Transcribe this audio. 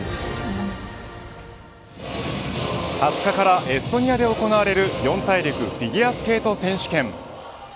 ２０日からエストニアで行われる四大陸フィギュアスケート選手権。